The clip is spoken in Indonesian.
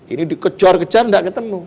ini dikejar kejar tidak ketemu